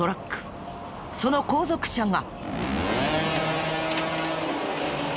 その後続車が。